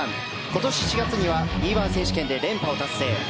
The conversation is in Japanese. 今年７月にはＥ‐１選手権で連覇を達成。